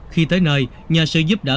khi tới nơi nhờ sự giúp đỡ